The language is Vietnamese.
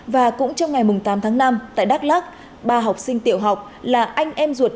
và cũng trong ngày tám tháng năm tại đắk lắc ba học sinh tiểu học là anh em ruột